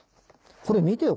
これ見てよ